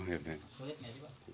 sulit nggak sih pak